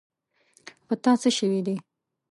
په تا څه شوي دي.